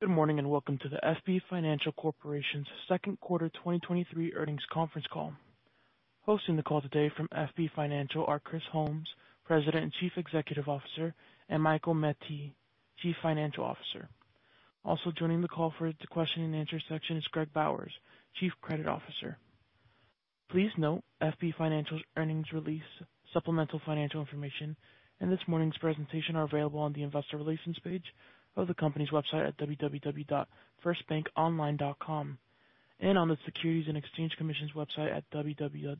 Good morning, and welcome to the FB Financial Corporation's Second Quarter 2023 Earnings Conference Call. Hosting the call today from FB Financial are Chris Holmes, President and Chief Executive Officer, and Michael Mettee, Chief Financial Officer. Also joining the call for the question and answer section is Greg Bowers, Chief Credit Officer. Please note, FB Financial's earnings release, supplemental financial information, and this morning's presentation are available on the investor relations page of the company's website at www.firstbankonline.com, and on the Securities and Exchange Commission's website at www.sec.gov.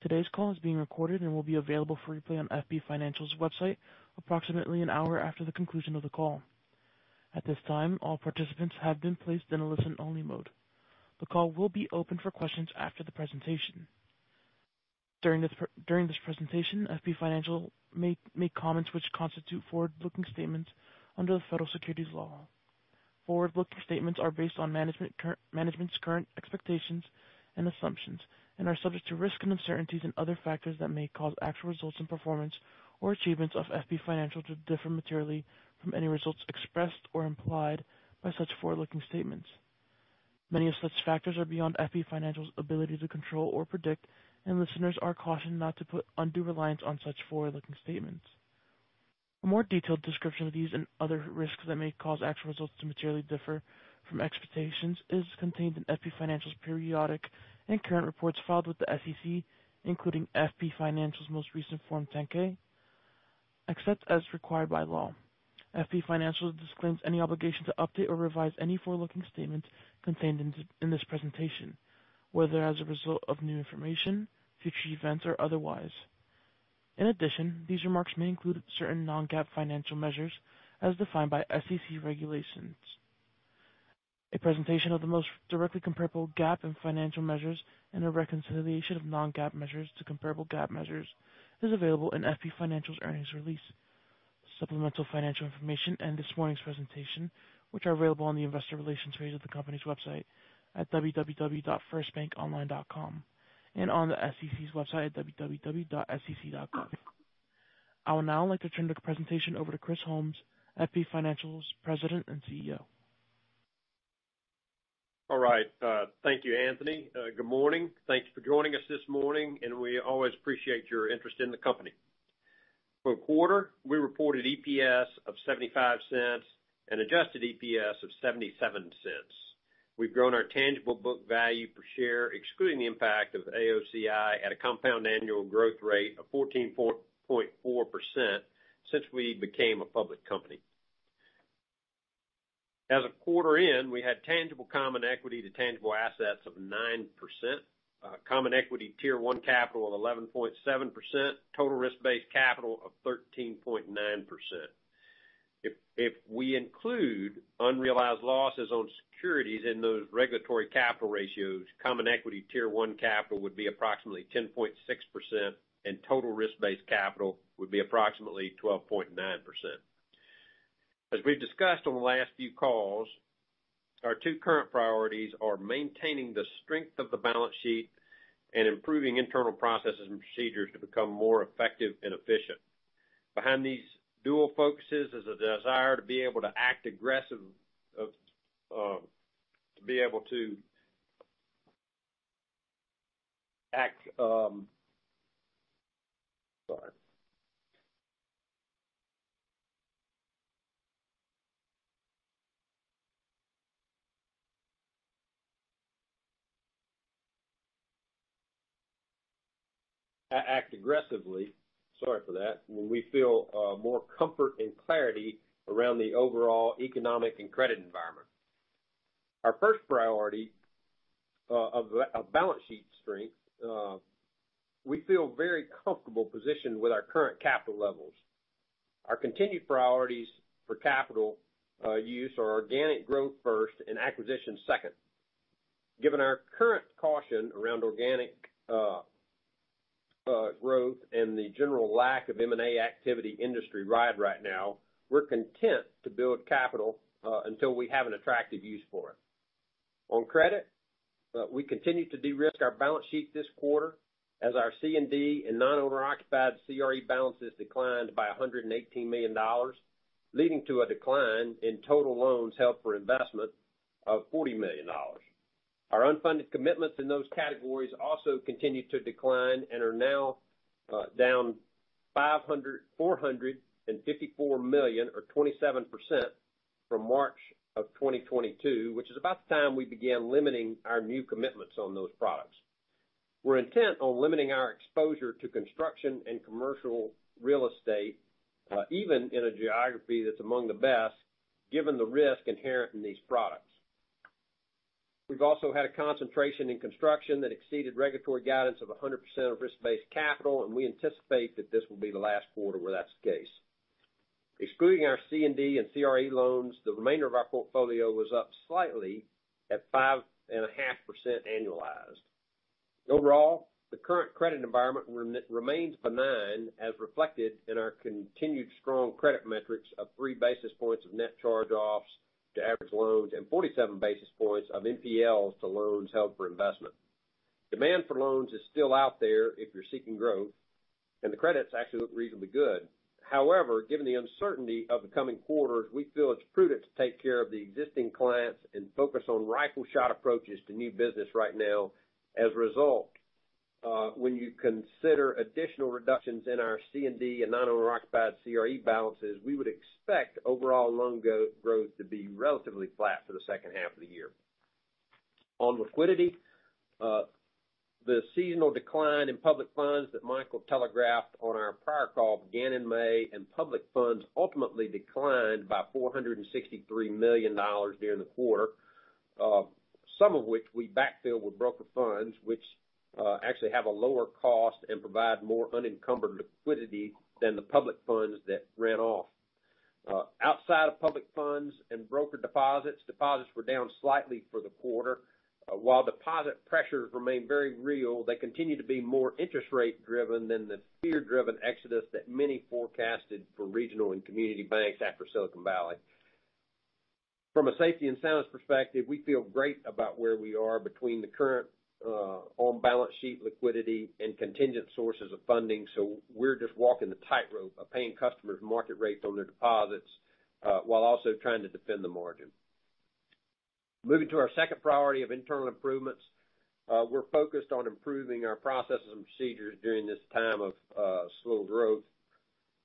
Today's call is being recorded and will be available for replay on FB Financial's website approximately an hour after the conclusion of the call. At this time, all participants have been placed in a listen-only mode. The call will be open for questions after the presentation. During this presentation, FB Financial may make comments which constitute forward-looking statements under the federal securities law. Forward-looking statements are based on management's current expectations and assumptions and are subject to risks and uncertainties and other factors that may cause actual results and performance or achievements of FB Financial to differ materially from any results expressed or implied by such forward-looking statements. Many of such factors are beyond FB Financial's ability to control or predict, and listeners are cautioned not to put undue reliance on such forward-looking statements. A more detailed description of these and other risks that may cause actual results to materially differ from expectations is contained in FB Financial's periodic and current reports filed with the SEC, including FB Financial's most recent Form 10-K. Except as required by law, FB Financial disclaims any obligation to update or revise any forward-looking statements contained in this presentation, whether as a result of new information, future events, or otherwise. In addition, these remarks may include certain non-GAAP financial measures as defined by SEC regulations. A presentation of the most directly comparable GAAP and financial measures and a reconciliation of non-GAAP measures to comparable GAAP measures is available in FB Financial's earnings release. Supplemental financial information and this morning's presentation, which are available on the investor relations page of the company's website at www.firstbankonline.com, and on the SEC's website at www.sec.gov. I would now like to turn the presentation over to Chris Holmes, FB Financial's President and CEO. All right, thank you, Anthony. Good morning. Thank you for joining us this morning, and we always appreciate your interest in the company. For a quarter, we reported EPS of $0.75 and adjusted EPS of $0.77. We've grown our tangible book value per share, excluding the impact of AOCI, at a compound annual growth rate of 14.4% since we became a public company. As of quarter end, we had tangible common equity to tangible assets of 9%, common equity tier 1 capital of 11.7%, total risk-based capital of 13.9%. If we include unrealized losses on securities in those regulatory capital ratios, common equity tier 1 capital would be approximately 10.6%, and total risk-based capital would be approximately 12.9%. As we've discussed on the last few calls, our two current priorities are maintaining the strength of the balance sheet and improving internal processes and procedures to become more effective and efficient. Behind these dual focuses is a desire to be able to act aggressively, sorry for that, when we feel more comfort and clarity around the overall economic and credit environment. Our first priority of balance sheet strength, we feel very comfortable positioned with our current capital levels. Our continued priorities for capital use are organic growth first and acquisition second. Given our current caution around organic growth and the general lack of M&A activity industrywide right now, we're content to build capital until we have an attractive use for it. On credit, we continue to de-risk our balance sheet this quarter as our C&D and non-owner-occupied CRE balances declined by $118 million, leading to a decline in total loans held for investment of $40 million. Our unfunded commitments in those categories also continued to decline and are now down $454 million, or 27%, from March 2022, which is about the time we began limiting our new commitments on those products. We're intent on limiting our exposure to construction and commercial real estate, even in a geography that's among the best, given the risk inherent in these products. We've also had a concentration in construction that exceeded regulatory guidance of 100% of risk-based capital, and we anticipate that this will be the last quarter where that's the case. Excluding our C&D and CRE loans, the remainder of our portfolio was up slightly at 5.5% annualized. Overall, the current credit environment remains benign, as reflected in our continued strong credit metrics of 3 basis points of net charge-offs to average loans, and 47 basis points of NPLs to loans held for investment. Demand for loans is still out there if you're seeking growth, and the credits actually look reasonably good. However, given the uncertainty of the coming quarters, we feel it's prudent to take care of the existing clients and focus on rifle shot approaches to new business right now. As a result, when you consider additional reductions in our C&D and non-owner occupied CRE balances, we would expect overall loan growth to be relatively flat for the second half of the year. On liquidity, the seasonal decline in public funds that Michael telegraphed on our prior call began in May. Public funds ultimately declined by $463 million during the quarter, some of which we backfilled with broker funds, which actually have a lower cost and provide more unencumbered liquidity than the public funds that ran off. Outside of public funds and broker deposits were down slightly for the quarter. While deposit pressures remain very real, they continue to be more interest rate driven than the fear-driven exodus that many forecasted for regional and community banks after Silicon Valley. From a safety and soundness perspective, we feel great about where we are between the current, on-balance sheet liquidity and contingent sources of funding, so we're just walking the tightrope of paying customers market rates on their deposits, while also trying to defend the margin. Moving to our second priority of internal improvements, we're focused on improving our processes and procedures during this time of slow growth,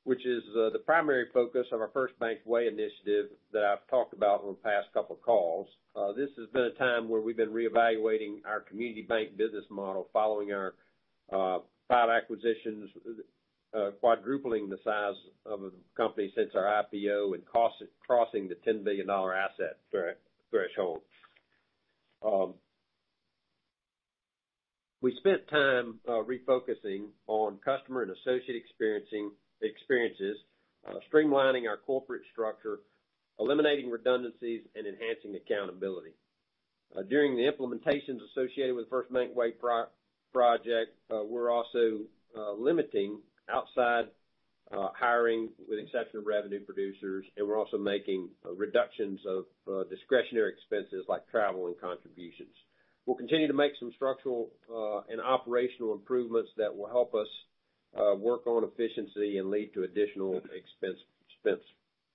which is the primary focus of our FirstBank Way initiative that I've talked about over the past couple of calls. This has been a time where we've been reevaluating our community bank business model following our five acquisitions, quadrupling the size of the company since our IPO and crossing the $10 billion asset threshold. We spent time refocusing on customer and associate experiences, streamlining our corporate structure, eliminating redundancies, and enhancing accountability. During the implementations associated with FirstBank Way project, we're also limiting outside hiring, with the exception of revenue producers, and we're also making reductions of discretionary expenses like travel and contributions. We'll continue to make some structural and operational improvements that will help us work on efficiency and lead to additional expense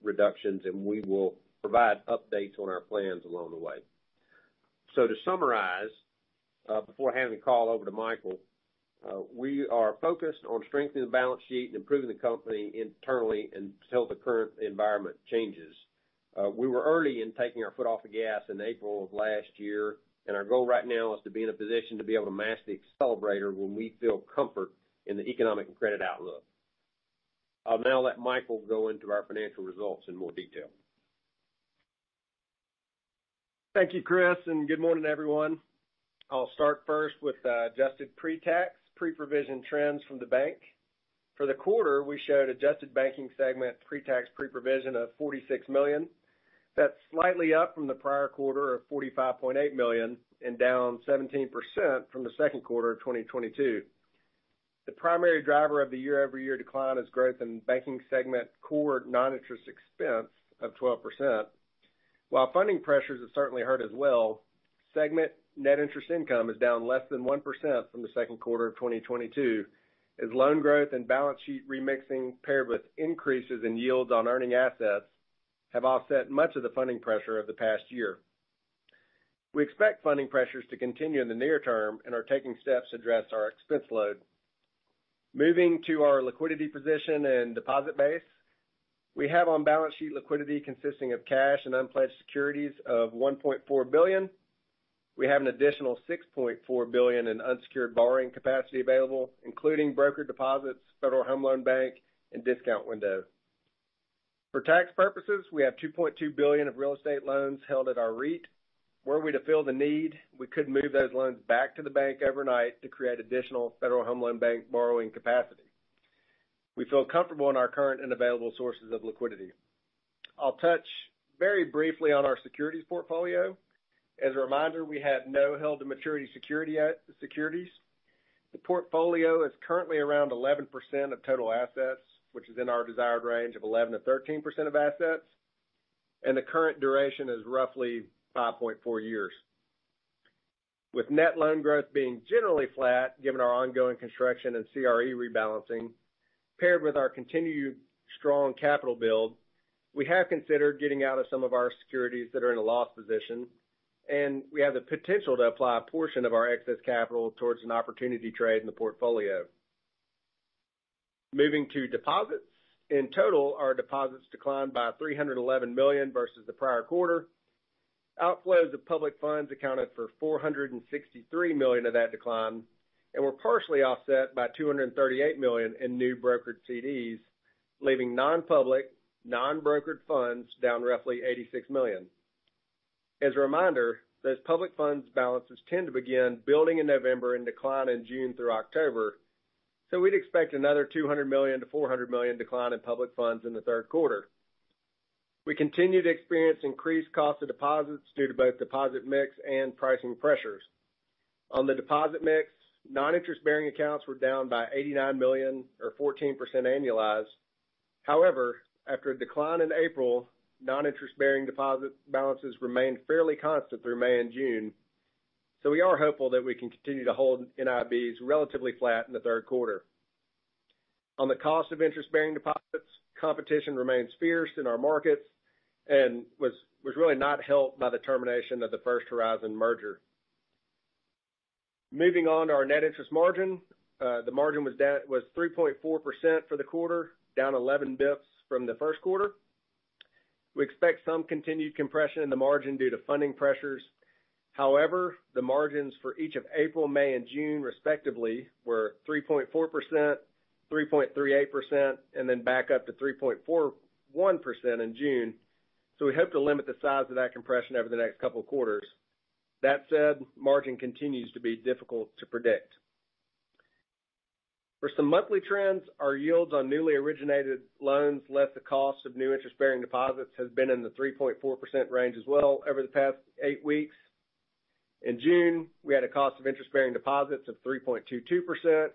reductions, and we will provide updates on our plans along the way. To summarize, before handing the call over to Michael, we are focused on strengthening the balance sheet and improving the company internally until the current environment changes. We were early in taking our foot off the gas in April of last year, and our goal right now is to be in a position to be able to mash the accelerator when we feel comfort in the economic and credit outlook. I'll now let Michael go into our financial results in more detail. Thank you, Chris. Good morning, everyone. I'll start first with the adjusted pre-tax, pre-provision trends from the bank. For the quarter, we showed adjusted banking segment pre-tax, pre-provision of $46 million. That's slightly up from the prior quarter of $45.8 million and down 17% from the second quarter of 2022. The primary driver of the year-over-year decline is growth in banking segment core non-interest expense of 12%. While funding pressures have certainly hurt as well, segment net interest income is down less than 1% from the second quarter of 2022, as loan growth and balance sheet remixing, paired with increases in yields on earning assets, have offset much of the funding pressure of the past year. We expect funding pressures to continue in the near term and are taking steps to address our expense load. Moving to our liquidity position and deposit base, we have on-balance sheet liquidity consisting of cash and unpledged securities of $1.4 billion. We have an additional $6.4 billion in unsecured borrowing capacity available, including broker deposits, Federal Home Loan Bank, and discount window. For tax purposes, we have $2.2 billion of real estate loans held at our REIT. Were we to fill the need, we could move those loans back to the bank overnight to create additional Federal Home Loan Bank borrowing capacity. We feel comfortable in our current and available sources of liquidity. I'll touch very briefly on our securities portfolio. As a reminder, we have no held-to-maturity securities. The portfolio is currently around 11% of total assets, which is in our desired range of 11%-13% of assets, and the current duration is roughly 5.4 years. With net loan growth being generally flat, given our ongoing construction and CRE rebalancing, paired with our continued strong capital build, we have considered getting out of some of our securities that are in a loss position, and we have the potential to apply a portion of our excess capital towards an opportunity trade in the portfolio. Moving to deposits. In total, our deposits declined by $311 million versus the prior quarter. Outflows of public funds accounted for $463 million of that decline, and were partially offset by $238 million in new brokered CDs, leaving non-public, non-brokered funds down roughly $86 million. As a reminder, those public funds balances tend to begin building in November and decline in June through October, so we'd expect another $200 million-$400 million decline in public funds in the third quarter. We continue to experience increased cost of deposits due to both deposit mix and pricing pressures. On the deposit mix, non-interest-bearing accounts were down by $89 million or 14% annualized. However, after a decline in April, non-interest-bearing deposit balances remained fairly constant through May and June, so we are hopeful that we can continue to hold NIBs relatively flat in the third quarter. On the cost of interest-bearing deposits, competition remains fierce in our markets and was really not helped by the termination of the First Horizon merger. Moving on to our net interest margin, the margin was 3.4% for the quarter, down 11 bips from the first quarter. We expect some continued compression in the margin due to funding pressures. The margins for each of April, May, and June, respectively, were 3.4%, 3.38%, and then back up to 3.41% in June, so we hope to limit the size of that compression over the next couple of quarters. Margin continues to be difficult to predict. For some monthly trends, our yields on newly originated loans, less the cost of new interest-bearing deposits, has been in the 3.4% range as well over the past eight weeks. In June, we had a cost of interest-bearing deposits of 3.22%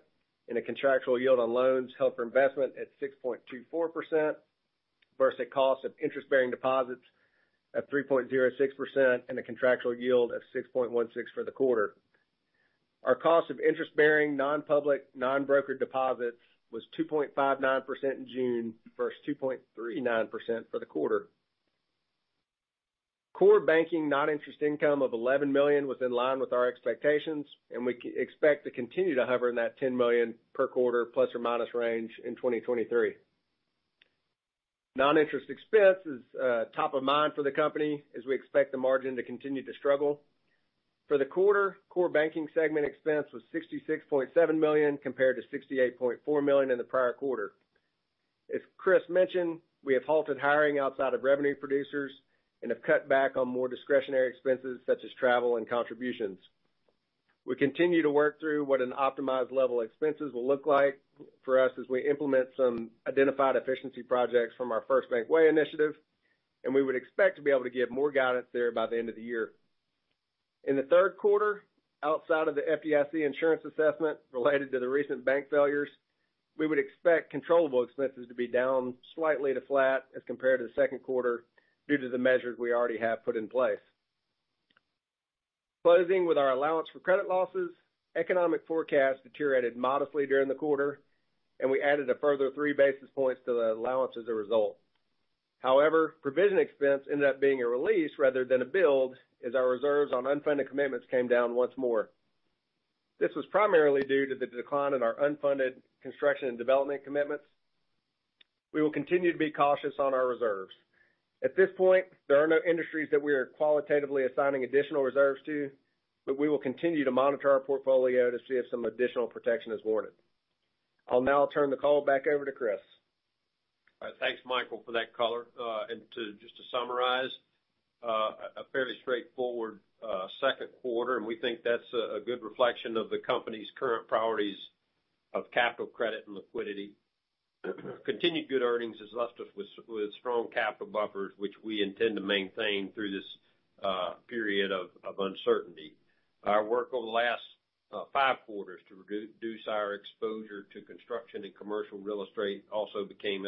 and a contractual yield on loans held for investment at 6.24%, versus a cost of interest-bearing deposits at 3.06% and a contractual yield of 6.16% for the quarter. Our cost of interest-bearing, non-public, non-brokered deposits was 2.59% in June versus 2.39% for the quarter. Core banking non-interest income of $11 million was in line with our expectations, and we expect to continue to hover in that $10 million per quarter ± range in 2023. Non-interest expense is top of mind for the company as we expect the margin to continue to struggle. For the quarter, core banking segment expense was $66.7 million, compared to $68.4 million in the prior quarter. As Chris mentioned, we have halted hiring outside of revenue producers and have cut back on more discretionary expenses such as travel and contributions. We continue to work through what an optimized level expenses will look like for us as we implement some identified efficiency projects from our FirstBank Way initiative, and we would expect to be able to give more guidance there by the end of the year. In the third quarter, outside of the FDIC insurance assessment related to the recent bank failures, we would expect controllable expenses to be down slightly to flat as compared to the second quarter due to the measures we already have put in place. Closing with our allowance for credit losses, economic forecasts deteriorated modestly during the quarter, and we added a further 3 basis points to the allowance as a result. However, provision expense ended up being a release rather than a build, as our reserves on unfunded commitments came down once more. This was primarily due to the decline in our unfunded construction and development commitments. We will continue to be cautious on our reserves. At this point, there are no industries that we are qualitatively assigning additional reserves to, but we will continue to monitor our portfolio to see if some additional protection is warranted. I'll now turn the call back over to Chris. Thanks, Michael, for that color. Just to summarize, a fairly straightforward second quarter, we think that's a good reflection of the company's current priorities of capital credit and liquidity. Continued good earnings has left us with strong capital buffers, which we intend to maintain through this period of uncertainty. Our work over the last five quarters to reduce our exposure to construction and commercial real estate also became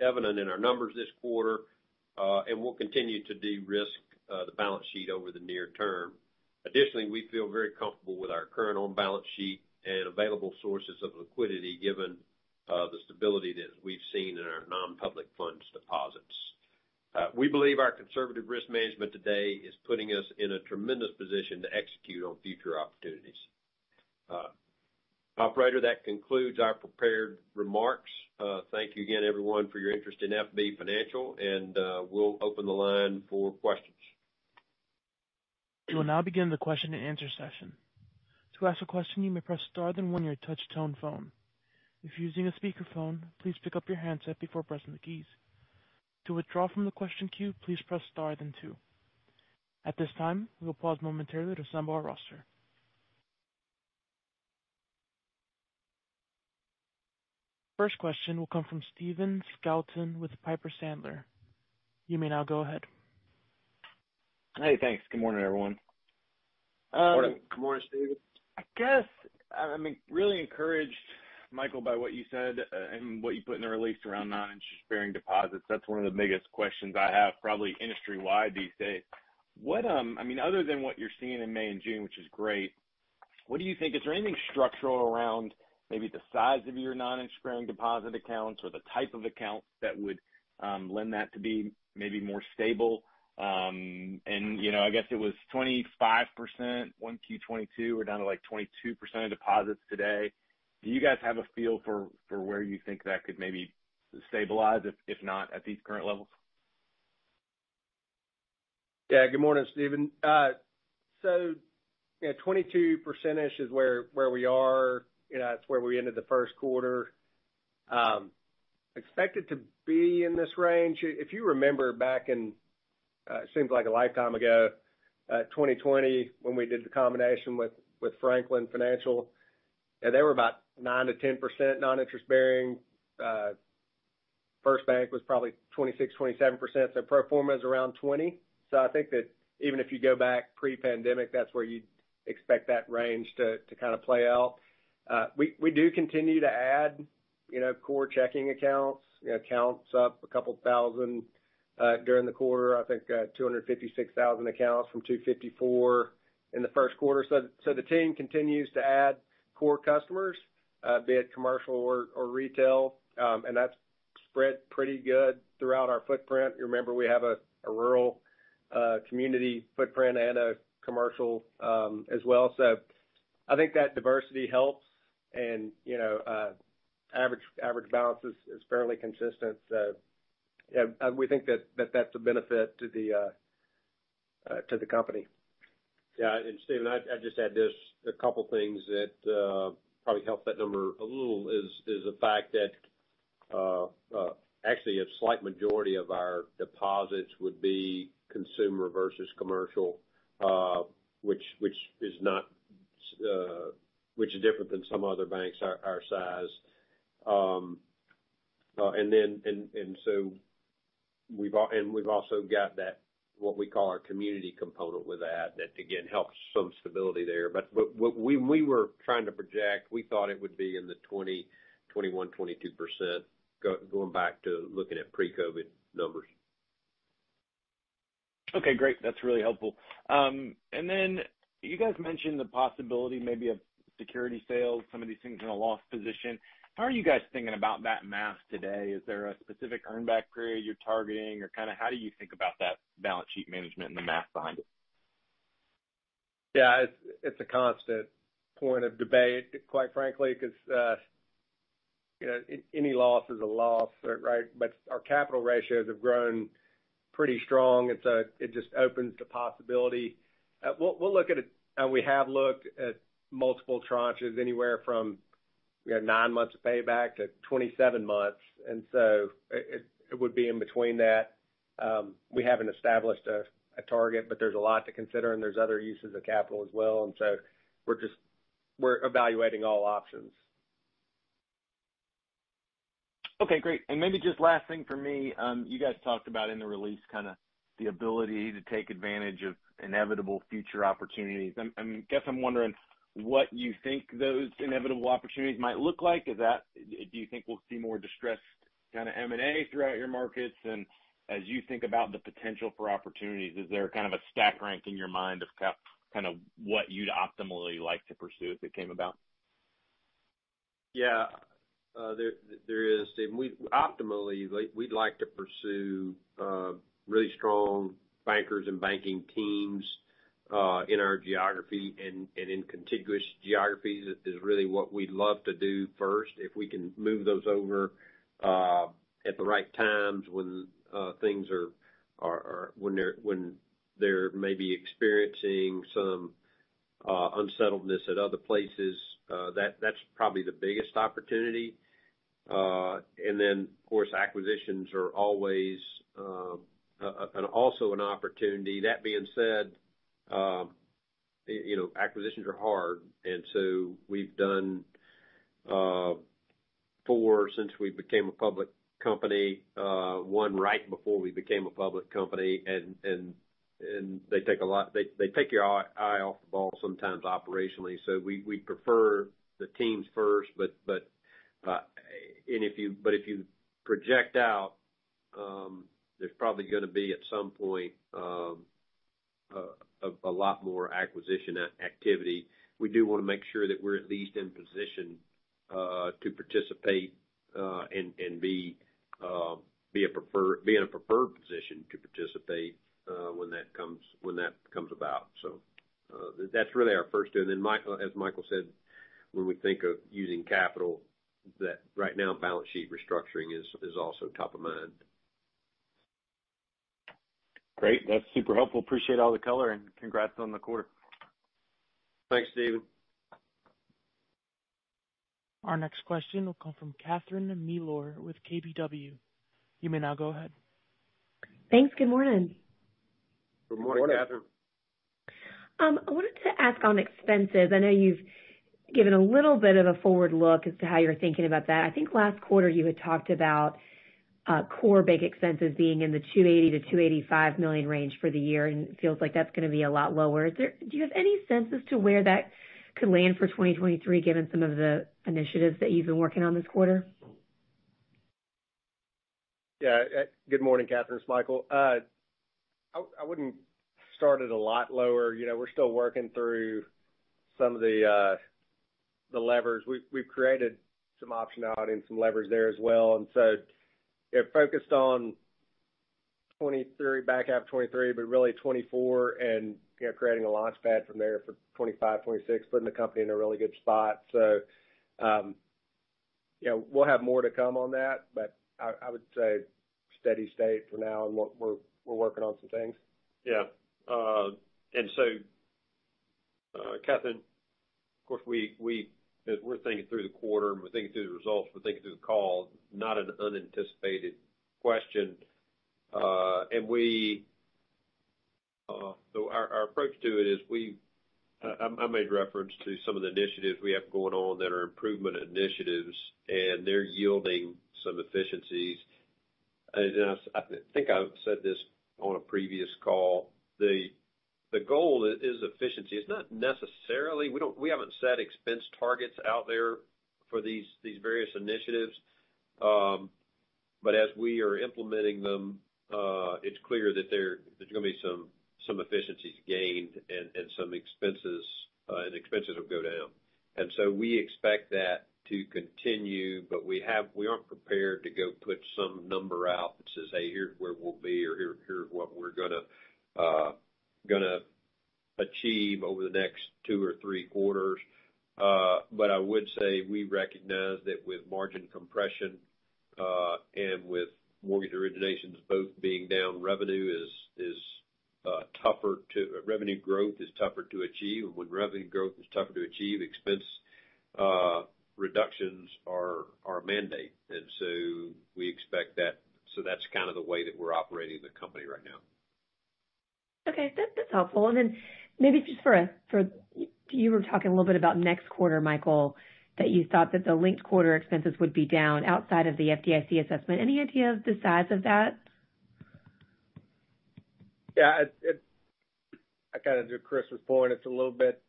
evident in our numbers this quarter, we'll continue to de-risk the balance sheet over the near term. Additionally, we feel very comfortable with our current on-balance sheet and available sources of liquidity, given the stability that we've seen in our non-public funds deposits. We believe our conservative risk management today is putting us in a tremendous position to execute on future opportunities. Operator, that concludes our prepared remarks. Thank you again, everyone, for your interest in FB Financial, and we'll open the line for questions. We will now begin the question-and-answer session. To ask a question, you may press star then one your touch-tone phone. If you're using a speakerphone, please pick up your handset before pressing the keys. To withdraw from the question queue, please press star then two. At this time, we will pause momentarily to assemble our roster. First question will come from Stephen Scouten with Piper Sandler. You may now go ahead. Hey, thanks. Good morning, everyone. Good morning, good morning, Stephen. I guess, I'm, like, really encouraged, Michael, by what you said, and what you put in the release around non-interest-bearing deposits. That's one of the biggest questions I have, probably industry-wide these days. What, I mean, other than what you're seeing in May and June, which is great, what do you think, is there anything structural around maybe the size of your non-interest-bearing deposit accounts or the type of accounts that would lend that to be maybe more stable? And, you know, I guess it was 25%, Q1-2022. We're down to, like, 22% of deposits today. Do you guys have a feel for where you think that could maybe stabilize, if not at these current levels? Good morning, Stephen. 22% is where we are. You know, that's where we ended the first quarter. Expect it to be in this range. If you remember back in, it seems like a lifetime ago, 2020, when we did the combination with Franklin Financial, yeah, they were about 9%-10% non-interest-bearing. FirstBank was probably 26%-27%, so pro forma is around 20%. I think that even if you go back pre-pandemic, that's where you'd expect that range to kind of play out. We do continue to add, you know, core checking accounts. You know, accounts up a couple thousand during the quarter. I think 256,000 accounts from 254,000 in the first quarter. The team continues to add core customers, be it commercial or retail, and that's spread pretty good throughout our footprint. You remember, we have a rural community footprint and a commercial as well. I think that diversity helps and, you know, average balance is fairly consistent. Yeah, and we think that's a benefit to the company. Yeah, Stephen, I'd just add this, a couple things that probably help that number a little is the fact that actually, a slight majority of our deposits would be consumer versus commercial, which is not, which is different than some other banks our size. We've also got that, what we call our community component with that again, helps some stability there. When we were trying to project, we thought it would be in the 20%-21%-22%, going back to looking at pre-COVID numbers. Okay, great. That's really helpful. Then you guys mentioned the possibility maybe of security sales, some of these things in a loss position. How are you guys thinking about that math today? Is there a specific earn back period you're targeting? Kind of how do you think about that balance sheet management and the math behind it? Yeah, it's a constant point of debate, quite frankly, because, you know, any loss is a loss, right? Our capital ratios have grown pretty strong. It just opens the possibility. We'll look at it, and we have looked at multiple tranches, anywhere from, you know, nine months of payback to 27 months. It would be in between that. We haven't established a target. There's a lot to consider, and there's other uses of capital as well. We're evaluating all options. Okay, great. Maybe just last thing for me, you guys talked about in the release, kind of the ability to take advantage of inevitable future opportunities. I guess I'm wondering what you think those inevitable opportunities might look like? Do you think we'll see more distressed kind of M&A throughout your markets? As you think about the potential for opportunities, is there kind of a stack rank in your mind of kind of what you'd optimally like to pursue if it came about? Yeah, there is, Stephen. Optimally, we'd like to pursue really strong bankers and banking teams in our geography and in contiguous geographies. That is really what we'd love to do first. If we can move those over at the right times when things are when they're maybe experiencing some unsettledness at other places, that's probably the biggest opportunity. Of course, acquisitions are always also an opportunity. That being said, you know, acquisitions are hard, we've done four since we became a public company, one right before we became a public company, and they take your eye off the ball sometimes operationally. We prefer the teams first. If you project out, there's probably gonna be, at some point, a lot more acquisition activity. We do want to make sure that we're at least in position to participate and be in a preferred position to participate when that comes about. That's really our first. As Michael said, when we think of using capital, that right now, balance sheet restructuring is also top of mind. Great. That's super helpful. Appreciate all the color and congrats on the quarter. Thanks, David. Our next question will come from Catherine Mealor with KBW. You may now go ahead. Thanks. Good morning. Good morning, Katherine. Good morning. I wanted to ask on expenses. I know you've given a little bit of a forward look as to how you're thinking about that. I think last quarter you had talked about, core bank expenses being in the $280 million-$285 million range for the year, and it feels like that's gonna be a lot lower. Do you have any sense as to where that could land for 2023, given some of the initiatives that you've been working on this quarter? Yeah. Good morning, Catherine, it's Michael. I wouldn't start it a lot lower. You know, we're still working through some of the levers. We've created some optionality and some leverage there as well. We're focused on 2023, back half of 2023, but really 2024 and, you know, creating a launchpad from there for 2025, 2026, putting the company in a really good spot. You know, we'll have more to come on that, but I would say steady state for now, and we're working on some things. Yeah. Catherine, of course, as we're thinking through the quarter and we're thinking through the results, we're thinking through the call, not an unanticipated question. Our approach to it is I made reference to some of the initiatives we have going on that are improvement initiatives, and they're yielding some efficiencies. I think I've said this on a previous call, the goal is efficiency. It's not necessarily we haven't set expense targets out there for these various initiatives. As we are implementing them, it's clear that there's gonna be some efficiencies gained and some expenses will go down. we expect that to continue, but we aren't prepared to go put some number out that says, "Hey, here's where we'll be, or here's what we're gonna achieve over the next 2 or 3 quarters." I would say we recognize that with margin compression, and with mortgage originations both being down, revenue growth is tougher to achieve. When revenue growth is tougher to achieve, expense reductions are a mandate, and so we expect that. That's kind of the way that we're operating the company right now. Okay, that's helpful. Maybe just for, you were talking a little bit about next quarter, Michael, that you thought that the linked quarter expenses would be down outside of the FDIC assessment. Any idea of the size of that? Yeah, I kinda to Chris's point, it's a little bit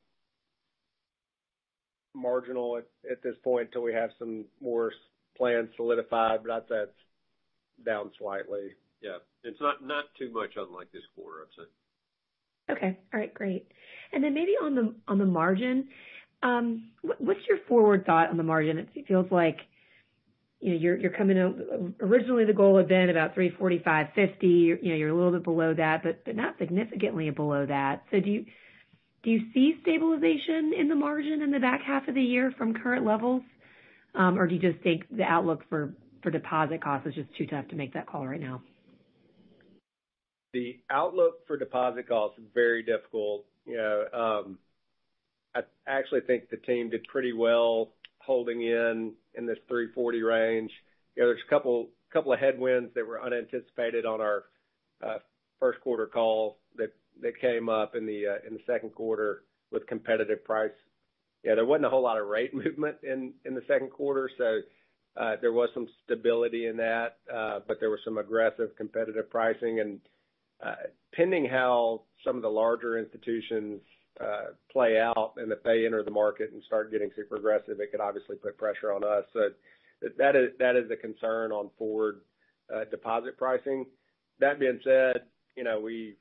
marginal at this point until we have some more plans solidified, but I'd say it's down slightly. It's not too much unlike this quarter, I'd say. Okay. All right, great. Then maybe on the margin, what's your forward thought on the margin? It feels like, you know, you're coming out originally, the goal had been about 3.40%, 3.50%. You know, you're a little bit below that, but not significantly below that. Do you see stabilization in the margin in the back half of the year from current levels? Or do you just think the outlook for deposit costs is just too tough to make that call right now? The outlook for deposit costs is very difficult. You know, I actually think the team did pretty well holding in this 3.40% range. You know, there's a couple of headwinds that were unanticipated on our first quarter call that came up in the second quarter with competitive price. Yeah, there wasn't a whole lot of rate movement in the second quarter, there was some stability in that, but there was some aggressive competitive pricing. Pending how some of the larger institutions play out, and if they enter the market and start getting super aggressive, it could obviously put pressure on us. That is the concern on forward deposit pricing. That being said, you know, we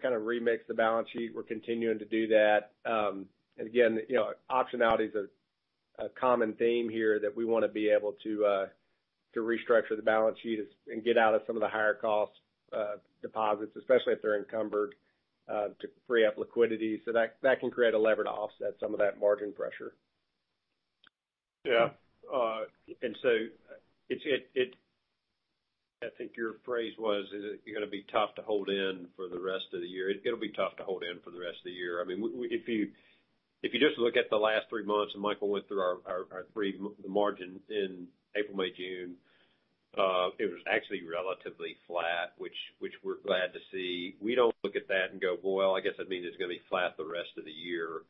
kind of remixed the balance sheet. We're continuing to do that. Again, you know, optionality is a common theme here, that we wanna be able to restructure the balance sheet and get out of some of the higher cost, deposits, especially if they're encumbered, to free up liquidity. That can create a lever to offset some of that margin pressure. Yeah. I think your phrase was, "Is it gonna be tough to hold in for the rest of the year?" It'll be tough to hold in for the rest of the year. I mean, if you just look at the last three months, and Michael went through our three margin in April, May, June, it was actually relatively flat, which we're glad to see. We don't look at that and go, "Well, I guess that means it's gonna be flat the rest of the year."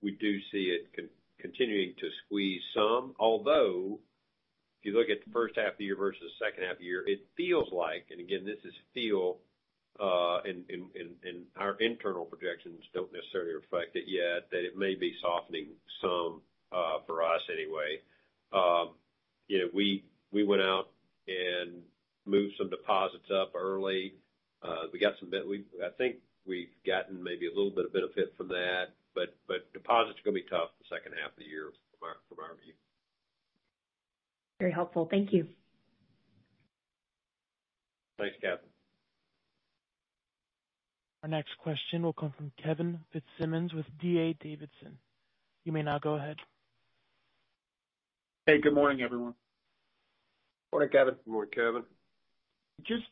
We do see it continuing to squeeze some, although, if you look at the first half of the year versus the second half of the year, it feels like, and again, this is feel, and our internal projections don't necessarily reflect it yet, that it may be softening some for us anyway. You know, we went out and moved some deposits up early. We got some I think we've gotten maybe a little bit of benefit from that, but deposits are gonna be tough the second half of the year from our view. Very helpful. Thank you. Thanks, Catherine. Our next question will come from Kevin Fitzsimmons with D.A. Davidson. You may now go ahead. Hey, good morning, everyone. Morning, Kevin. Good morning, Kevin. Just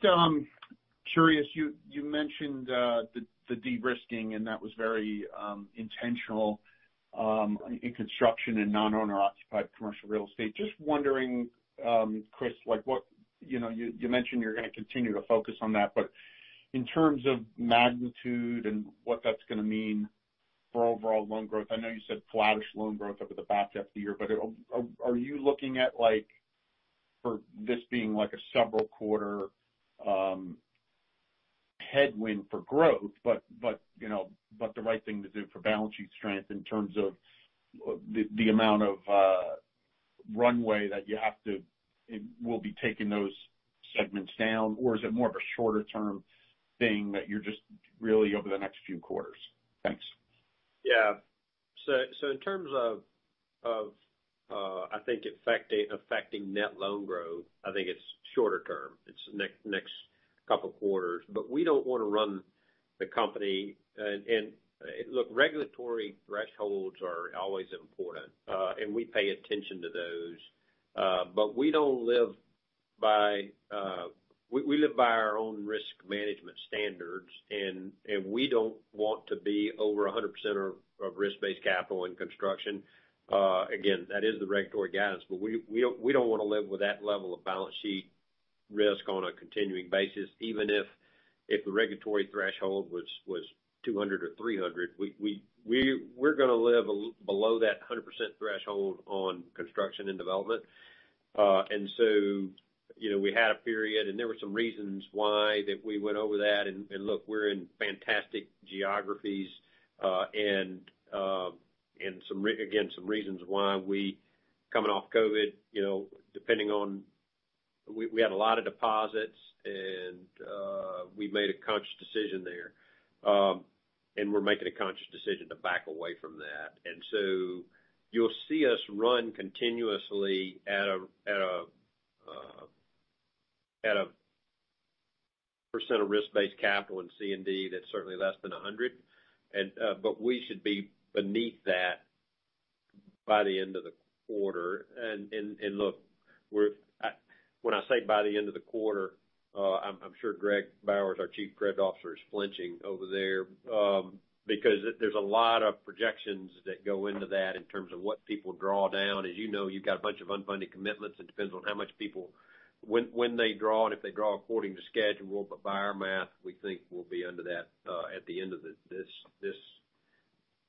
curious, you mentioned the de-risking, and that was very intentional in construction and non-owner occupied commercial real estate. Just wondering, Chris, like, you know, you mentioned you're gonna continue to focus on that, but in terms of magnitude and what that's gonna mean for overall loan growth? I know you said flattish loan growth over the back half of the year, but are you looking at, like, for this being, like, a several quarter headwind for growth, but, you know, but the right thing to do for balance sheet strength in terms of the amount of runway that you have to will be taking those segments down? Or is it more of a shorter term thing, that you're just really over the next few quarters? Thanks. Yeah. In terms of affecting net loan growth, I think it's shorter term. It's next couple of quarters. We don't want to run the company [down]. Look, regulatory thresholds are always important, and we pay attention to those, but we live by our own risk management standards, and we don't want to be over 100% of risk-based capital and construction. Again, that is the regulatory guidance, but we don't want to live with that level of balance sheet risk on a continuing basis, even if the regulatory threshold was 200 or 300, we're gonna live below that 100% threshold on construction and development. You know, we had a period, and there were some reasons why that we went over that. Look, we're in fantastic geographies, and, some reasons why we, coming off COVID, you know, we, we had a lot of deposits, and, we made a conscious decision there. We're making a conscious decision to back away from that. You'll see us run continuously at a percentage of risk-based capital in C&D, that's certainly less than 100. But we should be beneath that by the end of the quarter. Look, when I say by the end of the quarter, I'm sure Greg Bowers, our Chief Credit Officer, is flinching over there because there's a lot of projections that go into that in terms of what people draw down. As you know, you've got a bunch of unfunded commitments. It depends on how much people when they draw and if they draw according to schedule. By our math, we think we'll be under that at the end of this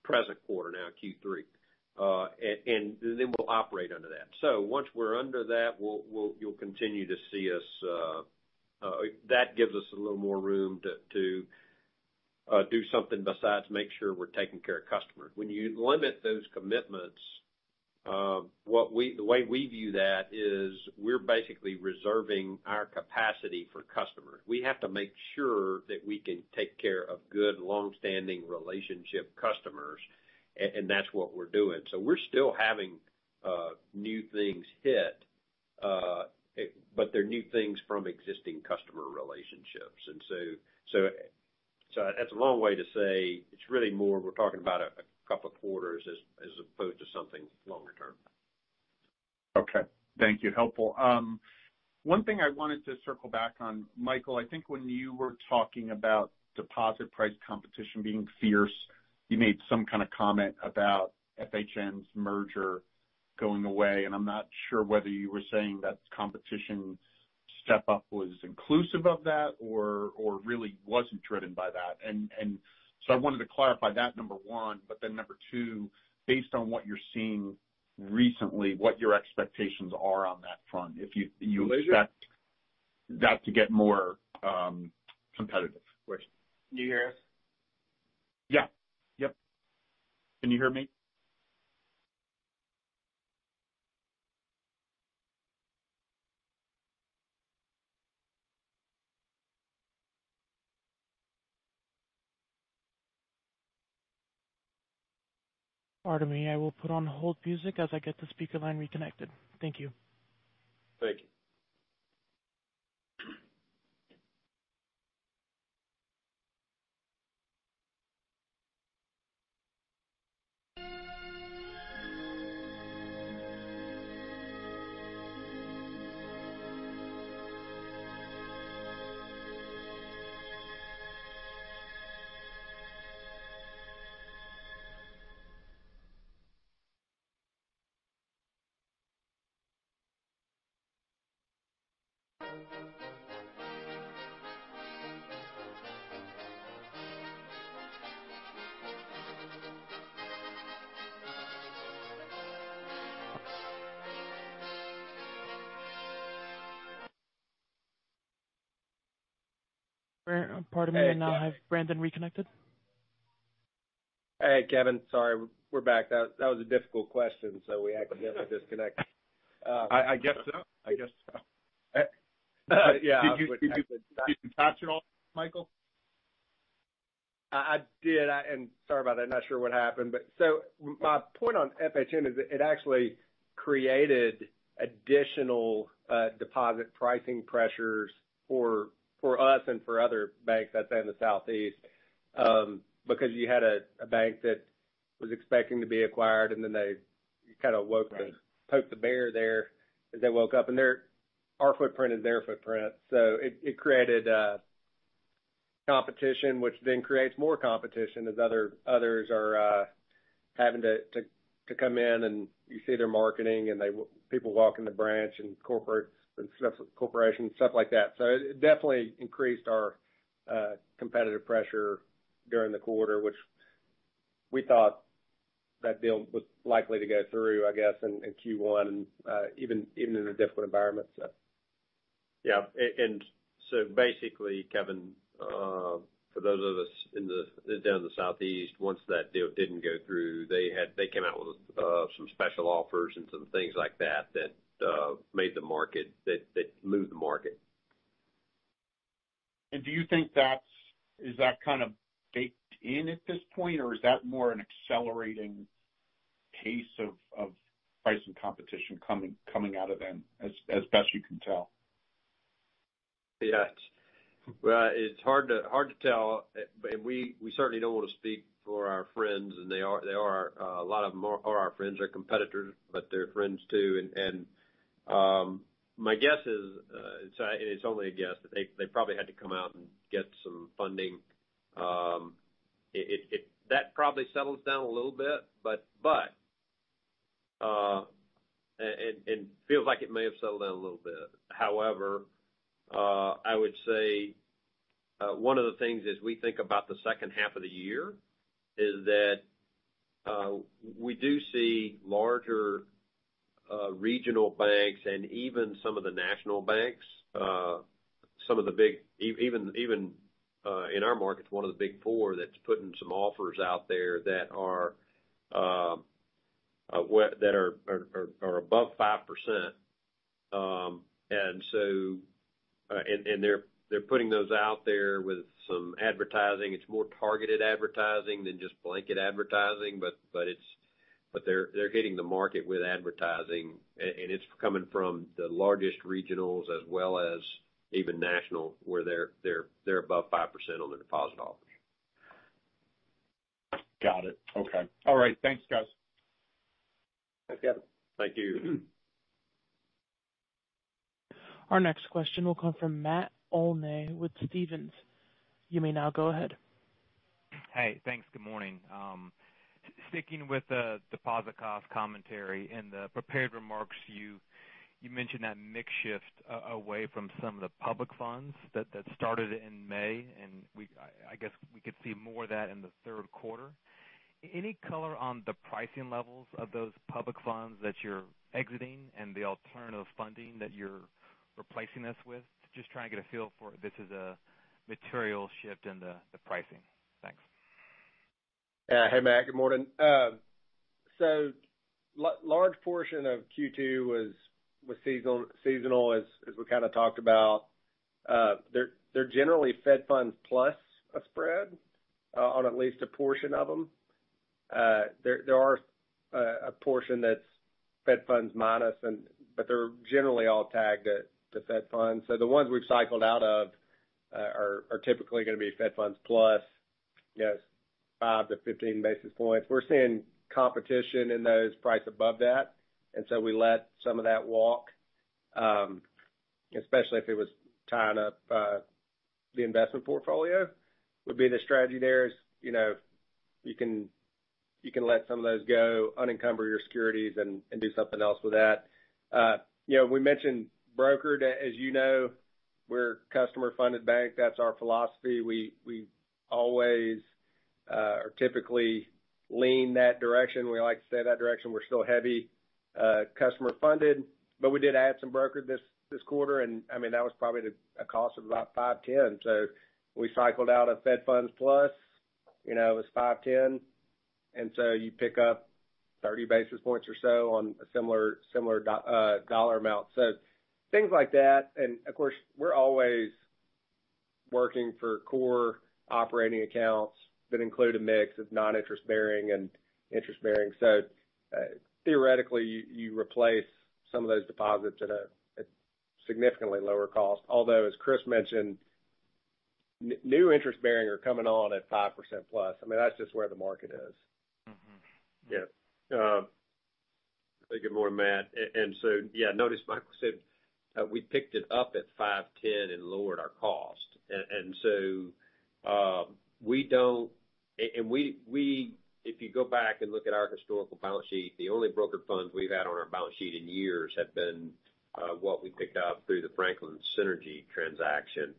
present quarter now Q3. Then we'll operate under that. Once we're under that, we'll continue to see us, that gives us a little more room to do something besides make sure we're taking care of customers. When you limit those commitments, the way we view that is we're basically reserving our capacity for customers. We have to make sure that we can take care of good, long-standing relationship customers, and that's what we're doing. So we're still having new things hit it, but they're new things from existing customer relationships. So that's a more way to say it's really more we're talking about a couple of quarters as opposed to something longer term. Okay. Thank you. Helpful. One thing I wanted to circle back on, Michael, I think when you were talking about deposit price competition being fierce, you made some kind of comment about FHN's merger going away. I'm not sure whether you were saying that the competition step up was inclusive of that or really wasn't driven by that. I wanted to clarify that, one, two, based on what you're seeing recently, what your expectations are on that front, if you expect- [Alicia]? that to get more, competitive. Of course. Can you hear us? Yeah. Yep. Can you hear me? Pardon me, I will put on hold music as I get the speaker line reconnected. Thank you. Thank you. Pardon me, I now have Brandon reconnected. Hey, Kevin, sorry, we're back. That was a difficult question, so we had to get the disconnect. I guess so. I guess so. Eh, yeah. Did you capture it all, Michael? I did. Sorry about that. I'm not sure what happened. My point on FHN is it actually created additional deposit pricing pressures for us and for other banks that's in the Southeast because you had a bank that was expecting to be acquired, they kind of woke... Right... poked the bear there, as they woke up. Their, our footprint is their footprint, so it created a competition, which then creates more competition as other, others are having to come in, and you see their marketing, and they, people walk in the branch and corporate and stuff, corporation, stuff like that. It, it definitely increased our competitive pressure during the quarter, which we thought that deal was likely to go through, I guess, in Q1, even in a different environment, so. Yeah. So basically, Kevin, for those of us in the, down in the Southeast, once that deal didn't go through, they came out with some special offers and some things like that made the market, that moved the market. Do you think that's, is that kind of baked in at this point, or is that more an accelerating pace of pricing competition coming out of them, as best you can tell? Yes. Well, it's hard to tell. We certainly don't want to speak for our friends, and they are, a lot of them are our friends, are competitors, but they're friends, too. My guess is, and it's only a guess, that they probably had to come out and get some funding. That probably settles down a little bit but, but, and feels like it may have settled down a little bit. However, I would say, one of the things as we think about the second half of the year, is that, we do see larger, regional banks and even some of the national banks, some of the Big Four that's putting some offers out there that are above 5%. They're putting those out there with some advertising. It's more targeted advertising than just blanket advertising, but they're hitting the market with advertising, and it's coming from the largest regionals as well as even national, where they're above 5% on their deposit offers. Got it. Okay. All right, thanks, guys. Thanks, Kevin. Thank you. Our next question will come from Matt Olney with Stephens. You may now go ahead. Hey, thanks. Good morning. Sticking with the deposit cost commentary, in the prepared remarks, you mentioned that mix shift away from some of the public funds that started in May. I guess we could see more of that in the third quarter. Any color on the pricing levels of those public funds that you're exiting and the alternative funding that you're replacing this with? Just trying to get a feel for if this is a material shift in the pricing. Thanks. Yeah. Hey, Matt, good morning. Large portion of Q2 was seasonal, as we kinda talked about. They're generally Fed Funds plus a spread on at least a portion of them. There are a portion that's Fed Funds minus, but they're generally all tagged at the Fed Funds. The ones we've cycled out of are typically gonna be Fed Funds plus, you know, 5 to 15 basis points. We're seeing competition in those priced above that, and so we let some of that walk, especially if it was tying up the investment portfolio. Would be the strategy there is, you know, you can let some of those go, unencumber your securities, and do something else with that. You know, we mentioned brokered. As you know, we're a customer-funded bank. That's our philosophy. We always, or typically lean that direction. We like to stay that direction. We're still heavy, customer funded, but we did add some brokered this quarter. I mean, that was probably at a cost of about $5.10. We cycled out a Fed Funds Plus, you know, it was $5.10, you pick up 30 basis points or so on a similar dollar amount. Things like that, of course, we're always working for core operating accounts that include a mix of non-interest bearing and interest bearing. Theoretically, you replace some of those deposits at a significantly lower cost. Although, as Chris mentioned, new interest bearing are coming on at 5% plus. I mean, that's just where the market is. Mm-hmm. Yeah, hey, good morning, Matt. Notice Michael said, we picked it up at $5.10 and lowered our cost. If you go back and look at our historical balance sheet, the only brokered funds we've had on our balance sheet in years have been what we picked up through the Franklin Synergy transaction.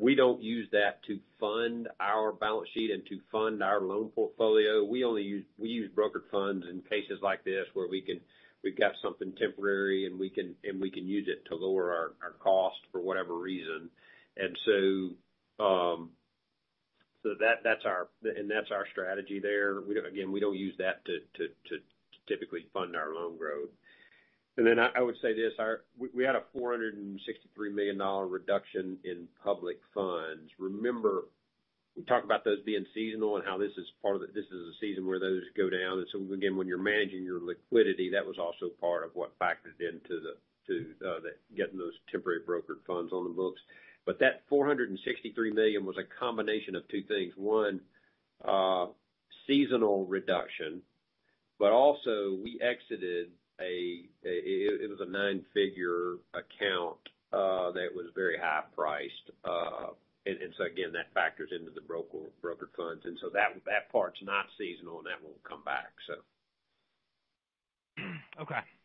We don't use that to fund our balance sheet and to fund our loan portfolio. We use brokered funds in cases like this, where we've got something temporary, and we can use it to lower our cost for whatever reason. That's our strategy there. Again, we don't use that to typically fund our loan growth. I would say this, we had a $463 million reduction in public funds. Remember, we talked about those being seasonal and how this is part of the season where those go down. Again, when you're managing your liquidity, that was also part of what factored into getting those temporary brokered funds on the books. That $463 million was a combination of two things: One, seasonal reduction, but also, we exited a 9-figure account that was very high priced. Again, that factors into the brokered funds, and that part's not seasonal, and that won't come back. Okay,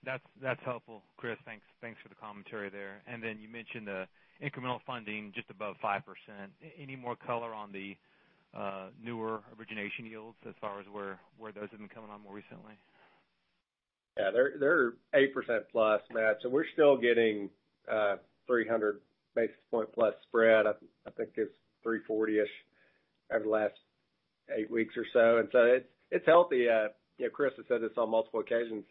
that's helpful, Chris. Thanks for the commentary there. Then you mentioned the incremental funding just above 5%. Any more color on the newer origination yields as far as where those have been coming on more recently? Yeah, they're 8%+, Matt, so we're still getting 300 basis point plus spread. I think it's 340-ish over the last eight weeks or so. It's healthy. You know, Chris has said this on multiple occasions.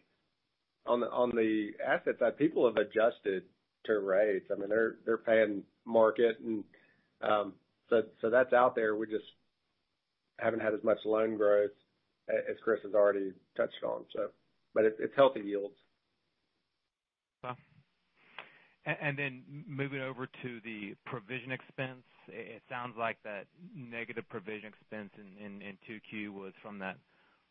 On the asset side, people have adjusted to rates. I mean, they're paying market and so that's out there. We just haven't had as much loan growth as Chris has already touched on. It's healthy yields. Then moving over to the provision expense, it sounds like that negative provision expense in Q2 was from that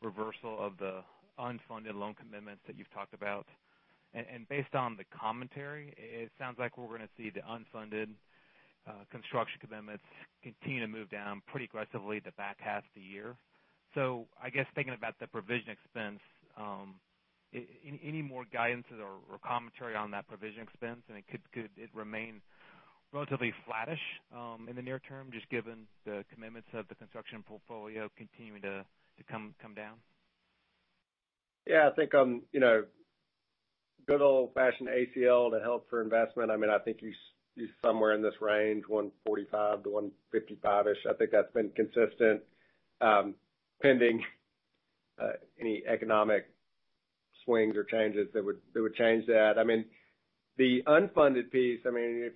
reversal of the unfunded loan commitments that you've talked about. Based on the commentary, it sounds like we're gonna see the unfunded construction commitments continue to move down pretty aggressively the back half of the year. Thinking about the provision expense, any more guidance or commentary on that provision expense? Could it remain relatively flattish in the near term, just given the commitments of the construction portfolio continuing to come down? I think, you know, good old-fashioned ACL to help for investment. I mean, I think you're somewhere in this range, 145-155ish. I think that's been consistent, pending any economic swings or changes that would change that. I mean, the unfunded piece, I mean,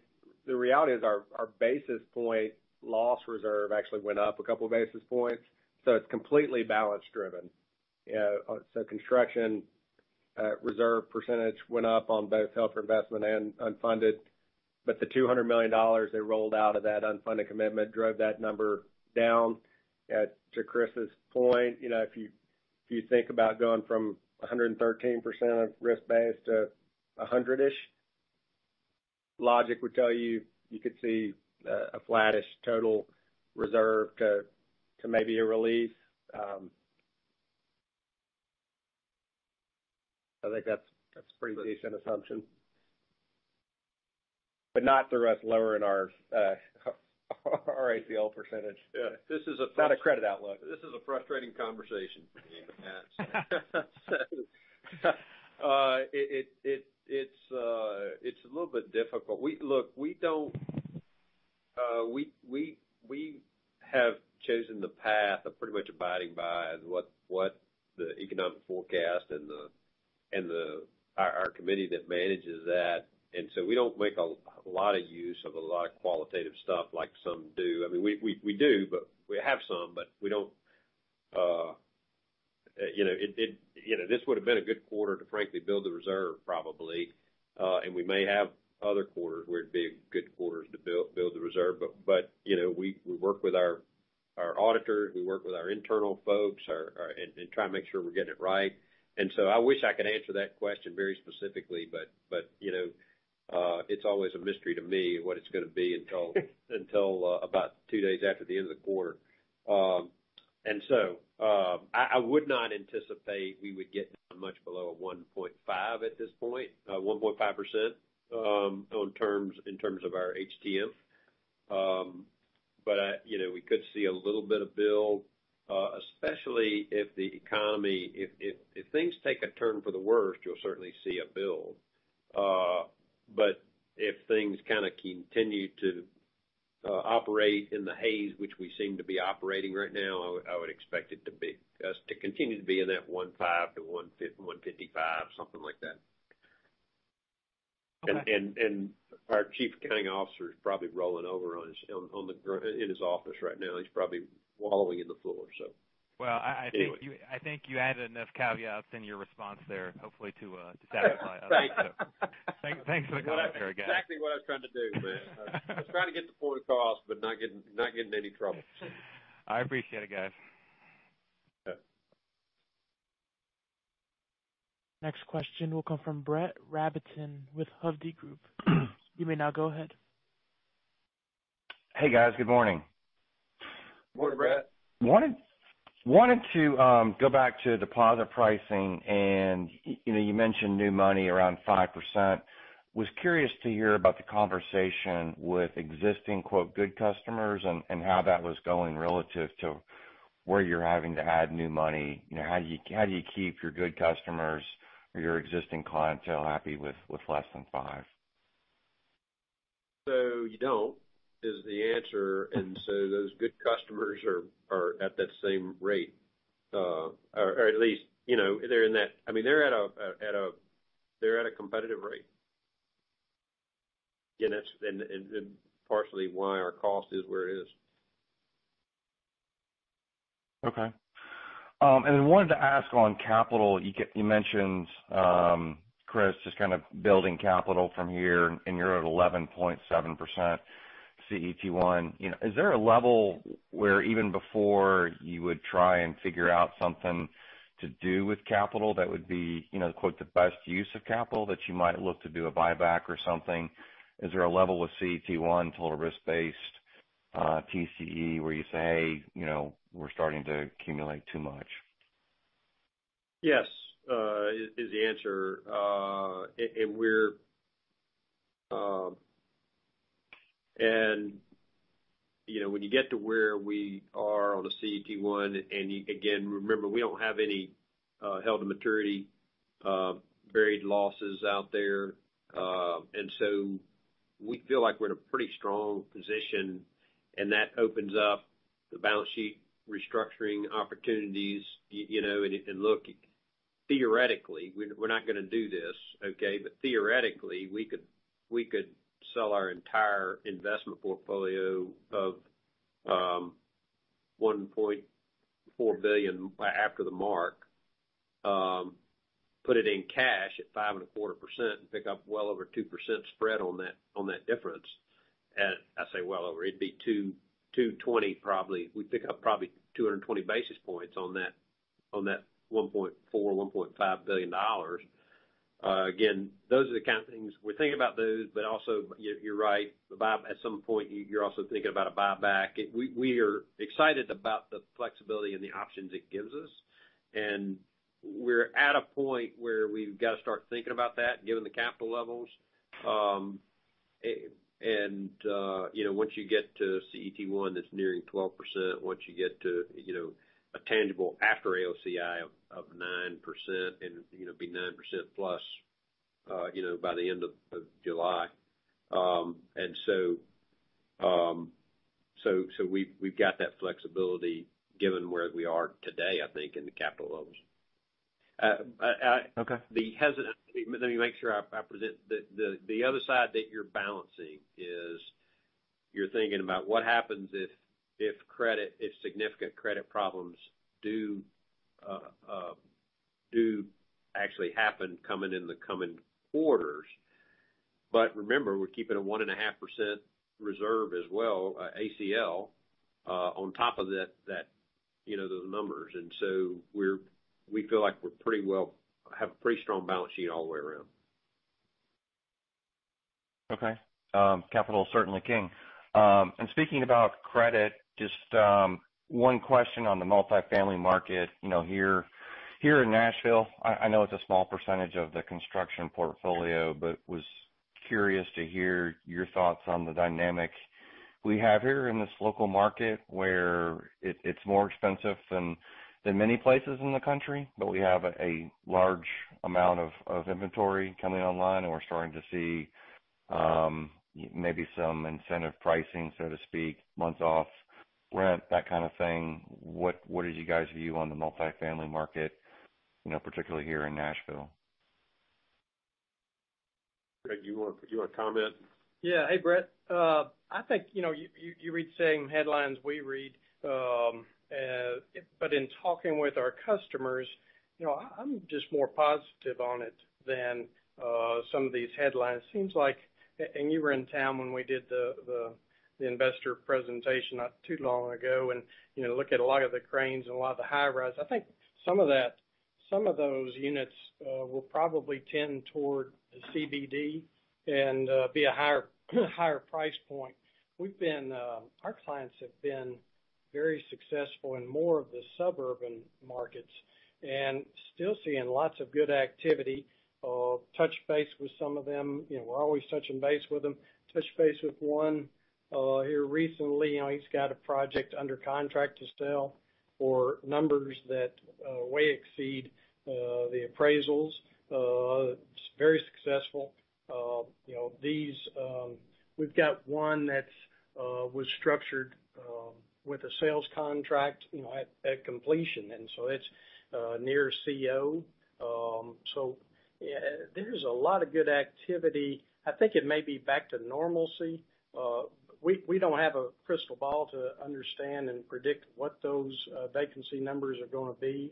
the reality is our basis point loss reserve actually went up a couple of basis points, so it's completely balance driven. Construction reserve percentage went up on both held for investment and unfunded, but the $200 million they rolled out of that unfunded commitment drove that number down. To Chris's point, you know, if you think about going from 113% of risk-based to 100-ish, logic would tell you could see a flattish total reserve to maybe a relief. I think that's a pretty decent assumption. Not through us lowering our ACL percentage. Yeah, this is. It's not a credit outlook. This is a frustrating conversation. It's a little bit difficult. Look, we don't, we have chosen the path of pretty much abiding by what the economic forecast and the, our committee that manages that. We don't make a lot of use of a lot of qualitative stuff like some do. I mean, we do, but we have some, but we don't, you know, this would have been a good quarter to frankly build the reserve, probably. We may have other quarters where it'd be good quarters to build the reserve. You know, we work with our auditors, we work with our internal folks, and try to make sure we're getting it right. I wish I could answer that question very specifically, you know, it's always a mystery to me what it's gonna be until about two days after the end of the quarter. I would not anticipate we would get much below a 1.5 at this point, 1.5%, on terms, in terms of our HTM. You know, we could see a little bit of build, especially if things take a turn for the worst, you'll certainly see a build. If things kind of continue to operate in the haze, which we seem to be operating right now, I would expect it to be, us to continue to be in that 1.5%-1.55%, something like that. Okay. Our chief accounting officer is probably rolling over in his office right now. He's probably wallowing in the floor, so. Well, I. Anyway. I think you added enough caveats in your response there, hopefully to to satisfy us. Right. Thanks for the got there, guys. Exactly what I was trying to do, man. I was trying to get the point across, but not getting in any trouble. I appreciate it, guys. Yeah. Next question will come from Brett Rabatin with Hovde Group. You may now go ahead. Hey, guys. Good morning. Good morning, Brett. Wanted to go back to deposit pricing. You know, you mentioned new money around 5%. Was curious to hear about the conversation with existing, quote, good customers and how that was going relative to where you're having to add new money. You know, how do you keep your good customers or your existing clientele happy with less than 5%? You don't, is the answer. Those good customers are at that same rate, or at least, you know, I mean, they're at a competitive rate. That's, and partially why our cost is where it is. Okay. I wanted to ask on capital. You mentioned, Chris, just kind of building capital from here, and you're at 11.7% CET1. You know, is there a level where even before you would try and figure out something to do with capital, that would be, you know, quote, "the best use of capital" that you might look to do a buyback or something? Is there a level of CET1 total risk-based, TCE, where you say, "Hey, you know, we're starting to accumulate too much? Yes, is the answer. You know, when you get to where we are on a CET1, and again, remember, we don't have any held-to-maturity varied losses out there. So we feel like we're in a pretty strong position, and that opens up the balance sheet, restructuring opportunities, you know, and look, theoretically, we're not gonna do this, okay? Theoretically, we could sell our entire investment portfolio of $1.4 billion after the mark, put it in cash at 4%, and pick up well over 2% spread on that difference. Well over. It'd be 2, 220, probably. We'd pick up probably 220 basis points on that $1.4 billion-$1.5 billion. Again, those are the kind of things we're thinking about those, but also, you're right, at some point, you're also thinking about a buyback. We are excited about the flexibility and the options it gives us, and we're at a point where we've got to start thinking about that, given the capital levels. You know, once you get to CET1, that's nearing 12%, once you get to, you know, a tangible after AOCI of 9% and, you know, be 9%+, you know, by the end of July. We've got that flexibility given where we are today, I think, in the capital levels. Okay. Let me make sure I present the other side that you're balancing is, you're thinking about what happens if credit, if significant credit problems do actually happen coming in the coming quarters. Remember, we're keeping a 1.5% reserve as well, ACL, on top of that, you know, those numbers. We feel like we have a pretty strong balance sheet all the way around. Okay. capital is certainly king. speaking about credit, just one question on the multifamily market. You know, here in Nashville, I know it's a small percentage of the construction portfolio, but was curious to hear your thoughts on the dynamics we have here in this local market, where it's more expensive than many places in the country, but we have a large amount of inventory coming online, and we're starting to see maybe some incentive pricing, so to speak, months off rent, that kind of thing. What is you guys view on the multifamily market, you know, particularly here in Nashville? Greg, do you want to comment? Yeah. Hey, Brett. I think, you know, you read the same headlines we read, in talking with our customers, you know, I'm just more positive on it than some of these headlines. You were in town when we did the investor presentation not too long ago, you know, look at a lot of the cranes and a lot of the high rise. I think some of those units will probably tend toward the CBD and be a higher price point. Our clients have been very successful in more of the suburban markets and still seeing lots of good activity, touched base with some of them. You know, we're always touching base with them. Touched base with one here recently, and he's got a project under contract to sell for numbers that way exceed the appraisals. It's very successful. You know, these, we've got one that was structured with a sales contract, you know, at completion, and so it's near CO. There's a lot of good activity. I think it may be back to normalcy. We don't have a crystal ball to understand and predict what those vacancy numbers are gonna be,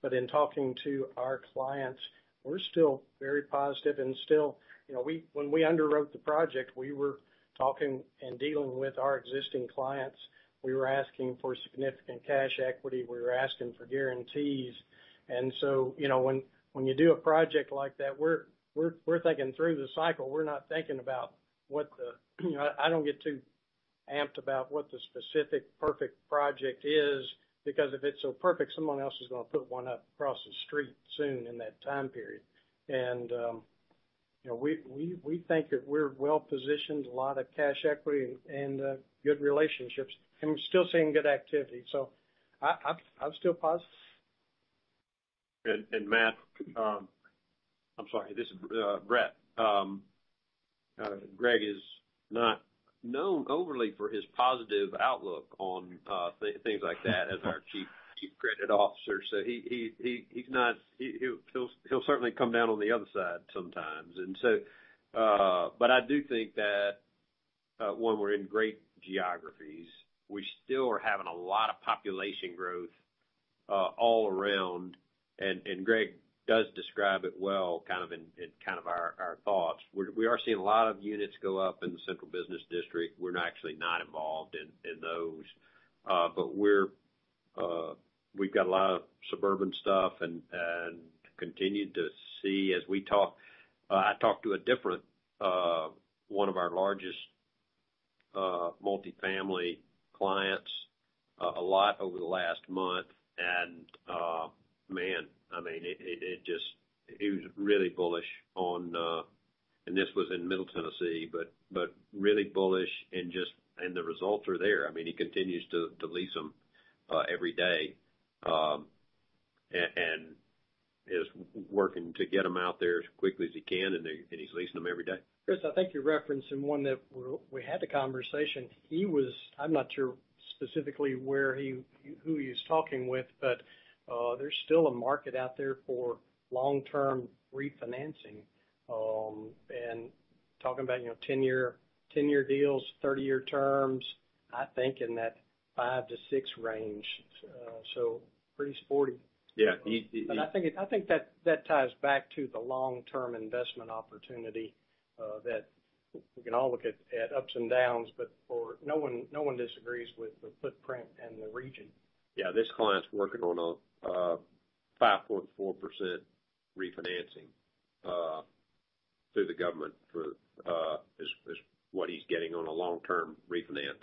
but in talking to our clients, we're still very positive and still, you know, when we underwrote the project, we were talking and dealing with our existing clients. We were asking for significant cash equity, we were asking for guarantees. You know, when you do a project like that, we're thinking through the cycle. We're not thinking about, I don't get too amped about what the specific perfect project is, because if it's so perfect, someone else is gonna put one up across the street soon in that time period. You know, we think that we're well-positioned, a lot of cash equity and good relationships, and we're still seeing good activity. I'm still positive. Matt, I'm sorry, this is Brett. Greg is not known overly for his positive outlook on things like that as our Chief Credit Officer. He's not, he'll certainly come down on the other side sometimes. I do think that, we're in great geographies. We still are having a lot of population growth all around, and Greg does describe it well, kind of in our thoughts. We are seeing a lot of units go up in the central business district. We're actually not involved in those, but we've got a lot of suburban stuff and continued to see as we talk... I talked to a different one of our largest multifamily clients a lot over the last month. Man, I mean, he was really bullish on, and this was in Middle Tennessee, but really bullish and just the results are there. I mean, he continues to lease them every day, and is working to get them out there as quickly as he can, and he's leasing them every day. Chris, I think you're referencing one that we had the conversation. I'm not sure specifically who he's talking with. There's still a market out there for long-term refinancing. Talking about, you know, 10-year deals, 30-year terms. I think in that five to six range, so pretty sporty. Yeah. I think that ties back to the long-term investment opportunity, that we can all look at ups and downs, but no one disagrees with the footprint and the region. Yeah, this client's working on a 5.4% refinancing, through the government for, is what he's getting on a long-term refinance.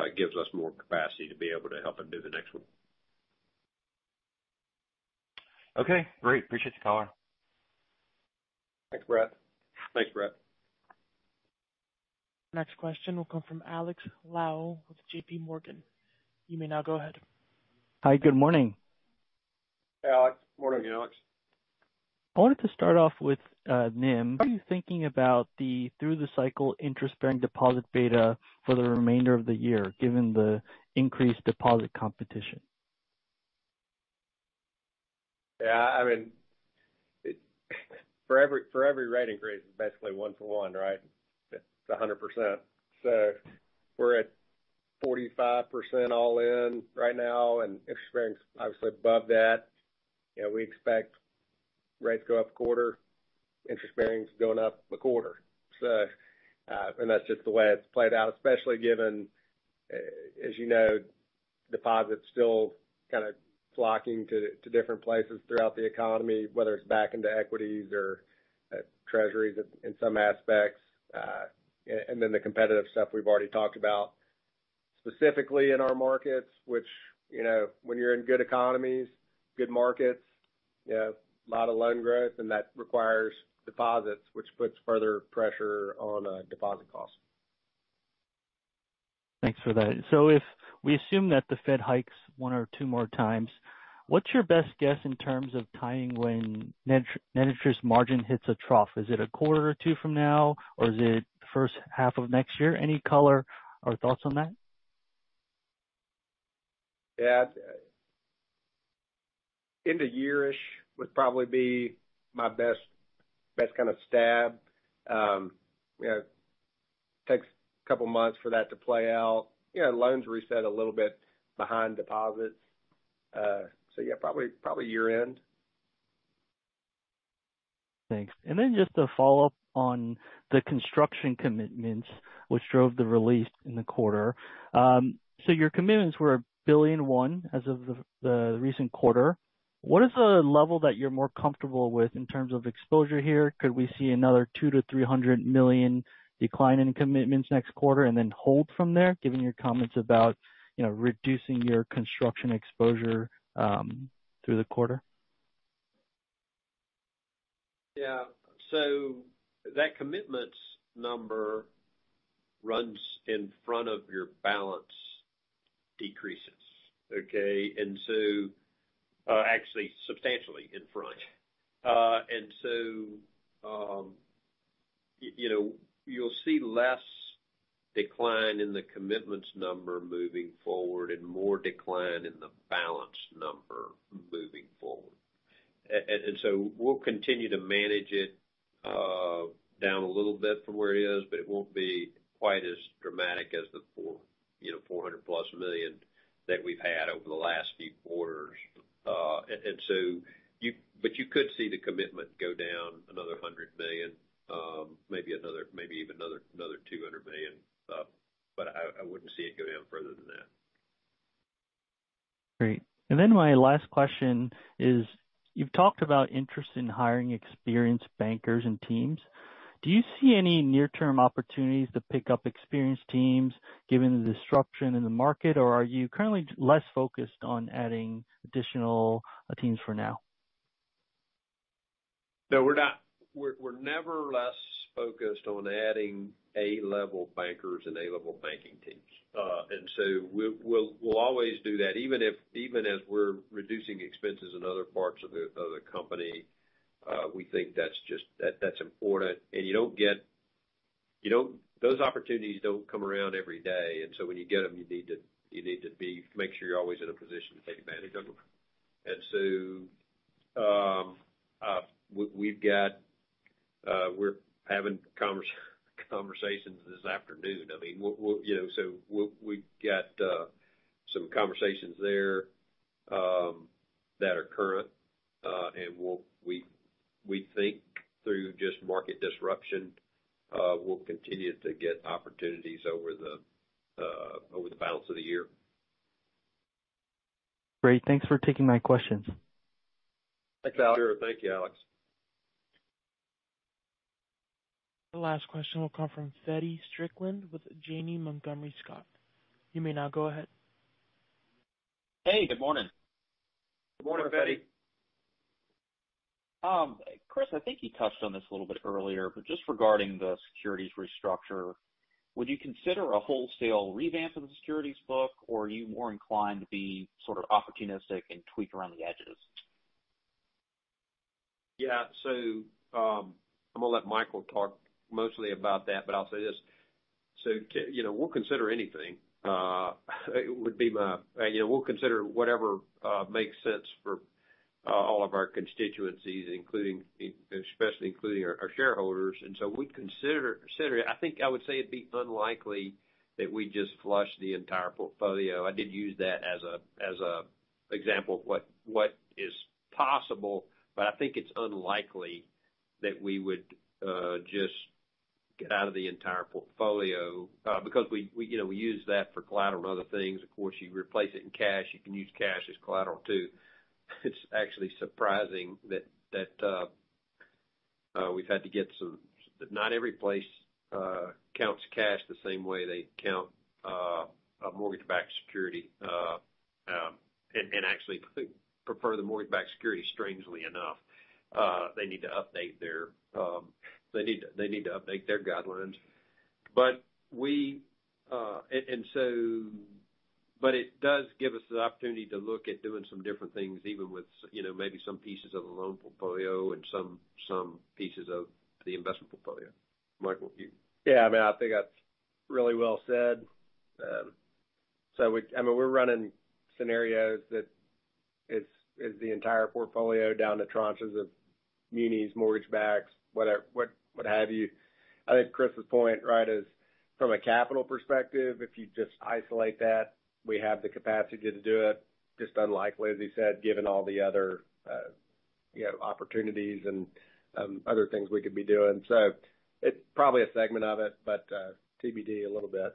It gives us more capacity to be able to help him do the next one. Okay, great. Appreciate the call. Thanks, Brett. Thanks, Brett. Next question will come from Alex Lau with JPMorgan. You may now go ahead. Hi, good morning. Hey, Alex. Morning, Alex. I wanted to start off with NIM. What are you thinking about the through the cycle interest-bearing deposit beta for the remainder of the year, given the increased deposit competition? Yeah, I mean, for every writing grade, it's basically one to one, right? It's 100%. We're at 45% all in right now, and interest bearing's obviously above that. You know, we expect rates go up a quarter, interest bearing's going up a quarter. That's just the way it's played out, especially given, as you know, deposits still kind of flocking to different places throughout the economy, whether it's back into equities or treasuries in some aspects, and then the competitive stuff we've already talked about. Specifically in our markets, which, you know, when you're in good economies, good markets, you have a lot of loan growth, and that requires deposits, which puts further pressure on deposit costs. Thanks for that. If we assume that the Fed hikes one or two more times, what's your best guess in terms of timing when net interest margin hits a trough? Is it a quarter or two from now, or is it the first half of next year? Any color or thoughts on that? Yeah. End of year-ish would probably be my best kind of stab. You know, takes a couple of months for that to play out. You know, loans reset a little bit behind deposits. Yeah, probably year end. Thanks. Just to follow up on the construction commitments, which drove the release in the quarter. Your commitments were $1.1 billion as of the recent quarter. What is the level that you're more comfortable with in terms of exposure here? Could we see another $200 million-$300 million decline in commitments next quarter and then hold from there, given your comments about, you know, reducing your construction exposure through the quarter? That commitments number runs in front of your balance decreases, okay? Actually substantially in front. You know, you'll see less decline in the commitments number moving forward and more decline in the balance number moving forward. We'll continue to manage it down a little bit from where it is, but it won't be quite as dramatic as the $400+ million that we've had over the last few quarters. You could see the commitment go down another $100 million, maybe even another $200 million, but I wouldn't see it go down further than that. Great. My last question is you've talked about interest in hiring experienced bankers and teams. Do you see any near-term opportunities to pick up experienced teams, given the disruption in the market? Or are you currently less focused on adding additional teams for now? No, we're never less focused on adding A-level bankers and A-level banking teams. We'll always do that. Even if, even as we're reducing expenses in other parts of the company, we think that's important. Those opportunities don't come around every day, when you get them, you need to be, make sure you're always in a position to take advantage of them. We've got, we're having conversations this afternoon. I mean, we'll, you know, we've got some conversations there that are current, we think through just market disruption, we'll continue to get opportunities over the balance of the year. Great. Thanks for taking my questions. Thanks, Alex. Sure. Thank you, Alex. The last question will come from Feddie Strickland with Janney Montgomery Scott. You may now go ahead. Hey, good morning. Good morning, Feddie. Chris, I think you touched on this a little bit earlier, but just regarding the securities restructure, would you consider a wholesale revamp of the securities book, or are you more inclined to be sort of opportunistic and tweak around the edges? Yeah. I'm going to let Michael talk mostly about that, but I'll say this. You know, we'll consider anything. You know, we'll consider whatever makes sense for all of our constituencies, including, especially including our shareholders. We'd consider it. I think I would say it'd be unlikely that we just flush the entire portfolio. I did use that as a example of what is possible, but I think it's unlikely that we would just get out of the entire portfolio because we, you know, we use that for collateral and other things. Of course, you replace it in cash, you can use cash as collateral, too. It's actually surprising that we've had to get not every place, counts cash the same way they count a mortgage-backed security, and actually prefer the mortgage-backed security, strangely enough. They need to update their guidelines. It does give us the opportunity to look at doing some different things, even with, you know, maybe some pieces of the loan portfolio and some pieces of the investment portfolio. Michael, you? Yeah, I mean, I think that's really well said. I mean, we're running scenarios that is the entire portfolio down to tranches of munis, mortgage backs, whatever, what have you. I think Chris's point, right, is from a capital perspective, if you just isolate that, we have the capacity to do it. Just unlikely, as he said, given all the other, you know, opportunities and other things we could be doing. It's probably a segment of it, TBD a little bit.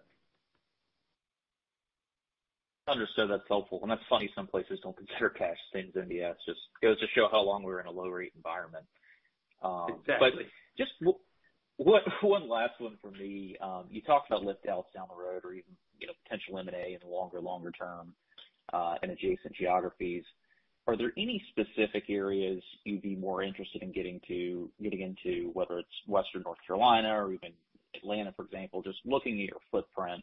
Understood, that's helpful. That's funny, some places don't consider cash things, yeah, it's just goes to show how long we were in a low rate environment. Exactly. Just one last one for me. You talked about lift outs down the road or even, you know, potential M&A in the longer term, and adjacent geographies. Are there any specific areas you'd be more interested in getting into, whether it's Western North Carolina or even Atlanta, for example? Just looking at your footprint,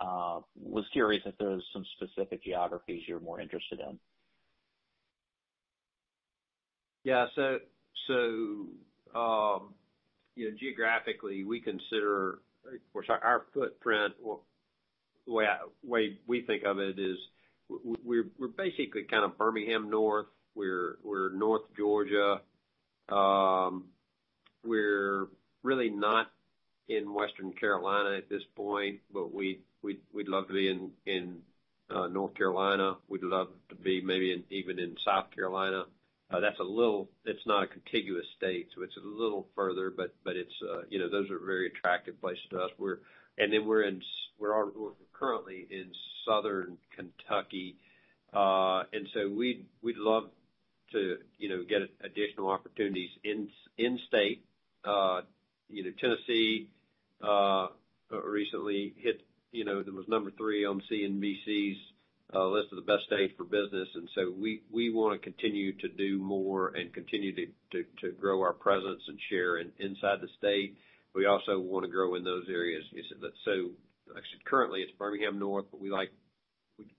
was curious if there was some specific geographies you're more interested in. Yeah. You know, geographically, we consider, of course, our footprint, well, the way we think of it is. We're basically kind of Birmingham North, we're North Georgia. We're really not in Western Carolina at this point, but we'd love to be in North Carolina. We'd love to be maybe in even in South Carolina. That's a little. It's not a contiguous state, so it's a little further, but it's, you know, those are very attractive places to us. We're currently in Southern Kentucky. We'd love to, you know, get additional opportunities in in-state. You know, Tennessee recently hit, you know, it was number three on CNBC's list of the best states for business, we wanna continue to do more and continue to grow our presence and share inside the state. We also want to grow in those areas. Currently, it's Birmingham North,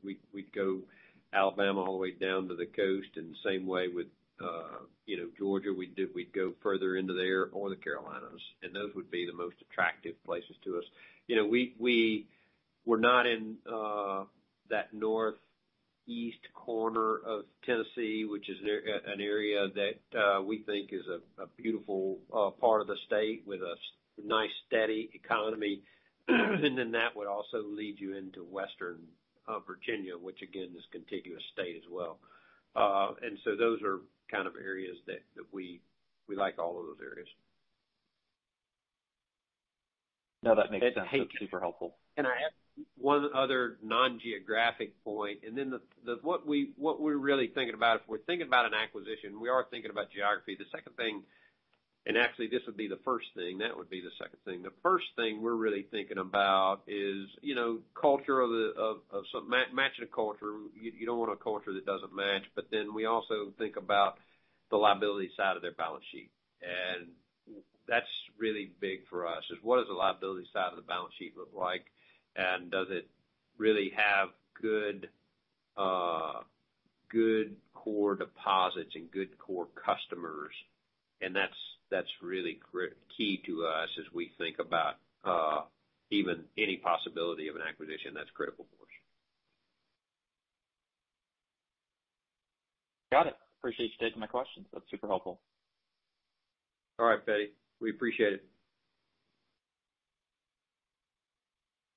we'd go Alabama all the way down to the coast, the same way with, you know, Georgia, we'd go further into there or the Carolinas, those would be the most attractive places to us. You know, we're not in that Northeast corner of Tennessee, which is an area that we think is a beautiful part of the state with a nice, steady economy. That would also lead you into West Virginia, which again, is contiguous state as well. Those are kind of areas that we like all of those areas. No, that makes sense. Super helpful. Can I add one other non-geographic point. What we're really thinking about, if we're thinking about an acquisition, we are thinking about geography. The second thing. Actually this would be the first thing, that would be the second thing. The first thing we're really thinking about is, you know, culture of, matching a culture. You don't want a culture that doesn't match. We also think about the liability side of their balance sheet. That's really big for us. Is what does the liability side of the balance sheet look like? Does it really have good core deposits and good core customers? That's really key to us as we think about even any possibility of an acquisition. That's critical for us. Got it. Appreciate you taking my questions. That's super helpful. All right, Feddie, we appreciate it.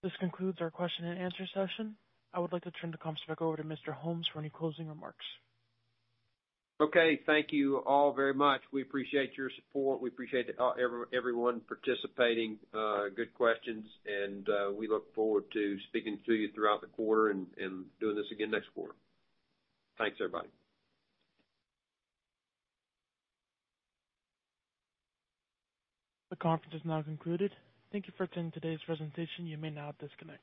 This concludes our question and answer session. I would like to turn the conference back over to Mr. Holmes for any closing remarks. Okay, thank you all very much. We appreciate your support. We appreciate everyone participating. Good questions, and we look forward to speaking to you throughout the quarter and doing this again next quarter. Thanks, everybody. The conference is now concluded. Thank you for attending today's presentation. You may now disconnect.